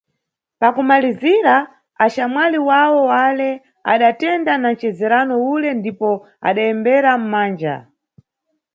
Pakumalizira, axamwali wawo wale adatenda na nʼcezerano ule ndipo adayembera mʼmanja.